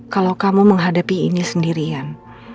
kalau kamu menghadapi ini sendirian